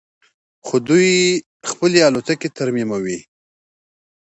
خو دوی خپلې الوتکې ترمیموي.